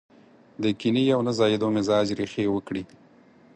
د کينې او نه ځايېدو مزاج ريښې وکړي.